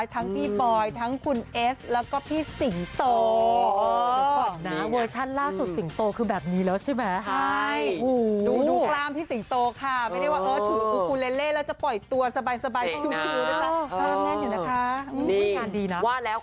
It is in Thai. ทั้งพี่บอยทั้งคุณเอสและพี่สิงตนที่แด้ว